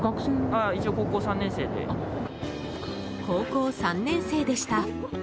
高校３年生でした。